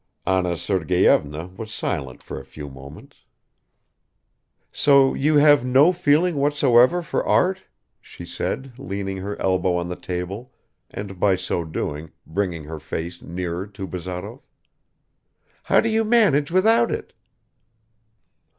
Anna Sergeyevna was silent for a few moments. "So you have no feeling whatsoever for art?" she said, leaning her elbow on the table and by so doing bringing her face nearer to Bazarov. "How do you manage without it?"